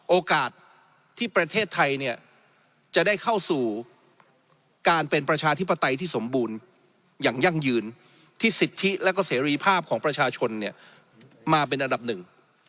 โอกาสที่ประเทศไทยเนี่ยจะได้เข้าสู่การเป็นประชาธิปไตยที่สมบูรณ์อย่างยั่งยืนที่สิทธิและก็เสรีภาพของประชาชนเนี่ยมาเป็นอันดับหนึ่ง